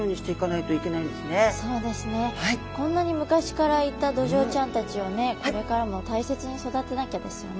こんなに昔からいたドジョウちゃんたちをねこれからも大切に育てなきゃですよね。